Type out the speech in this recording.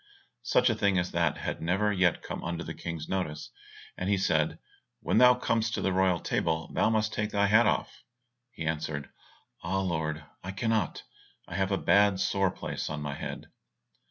Such a thing as that had never yet come under the King's notice, and he said, "When thou comest to the royal table thou must take thy hat off." He answered, "Ah, Lord, I cannot; I have a bad sore place on my head."